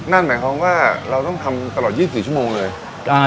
นั่นหมายความว่าเราต้องทำตลอด๒๔ชั่วโมงเลย